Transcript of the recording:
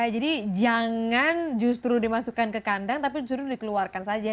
jadi jangan justru dimasukkan ke kandang tapi justru dikeluarkan saja